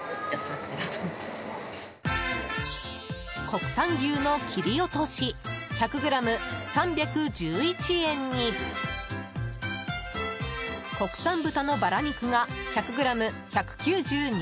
国産牛の切り落とし１００ｇ、３１１円に国産豚のバラ肉が１００ｇ、１９２円。